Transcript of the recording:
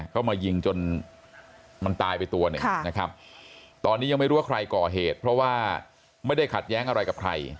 เข้ามายิงจนมันตายไปตัวหนึ่งนะครับตอนนี้ยังไม่รู้ว่าใครก่อเหตุเพราะว่าไม่ได้ขัดแย้งอะไรกับใคร